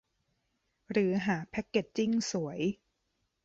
หรือหาแพ็กเกจจิ้งสวย